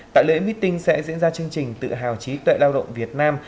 tại lễ meeting sẽ diễn ra chương trình tự hào trí tuệ lao động việt nam